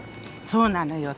そうなのよ。